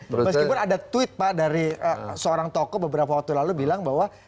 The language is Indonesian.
meskipun ada tweet pak dari seorang tokoh beberapa waktu lalu bilang bahwa